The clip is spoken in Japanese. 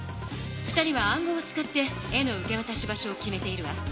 ２人は暗号を使って絵の受けわたし場所を決めているわ。